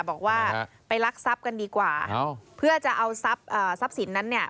บอกว่าไปรักทรัพย์กันดีกว่าเพื่อจะเอาทรัพย์สินนั้นเนี่ย